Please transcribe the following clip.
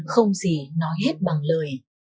không gì nói hết bằng lời